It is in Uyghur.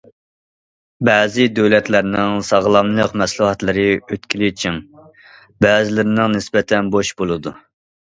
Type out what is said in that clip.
بەزى دۆلەتلەرنىڭ ساغلاملىق مەھسۇلاتلىرى ئۆتكىلى چىڭ، بەزىلىرىنىڭ نىسبەتەن بوش بولىدۇ.